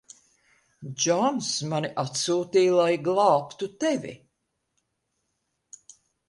Džons mani atsūtīja, lai glābtu tevi.